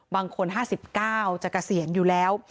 บางคน๕๙จะเกษียณอยู่แล้ว